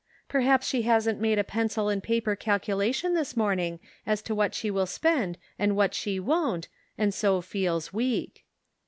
" Perhaps she hasn't made a pencil and paper calculation this morning as to what she will spend and what she won't, and so feels weak."